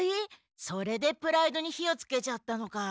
それでプライドに火をつけちゃったのか。